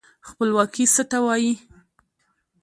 خپلواکي څه ته وايي؟